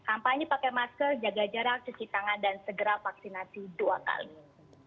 kampanye pakai masker jaga jarak cuci tangan dan segera vaksinasi dua kali